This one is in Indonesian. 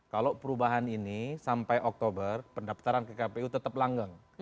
kalau perubahan ini sampai oktober pendaftaran kkpu tetap langgeng